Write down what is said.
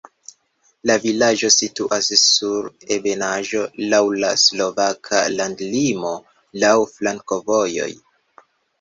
La vilaĝo situas sur ebenaĵo, laŭ la slovaka landlimo, laŭ flankovojoj.